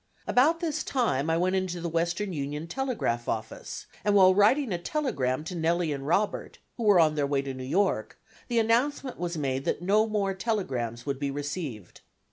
About this time I went into the Western Union Telegraph office, and while writing a telegram to Nellie and Robert, who were on their way to New York, the announcement was made that no more telegrams would be received.